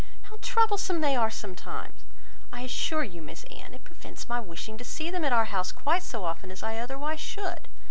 how troublesome they are sometimes. I assure you, Miss Anne, it prevents my wishing to see them at our house so often as I otherwise should.